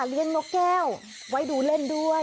นกแก้วไว้ดูเล่นด้วย